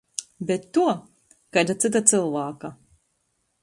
Bet tuo - kaida cyta cylvāka...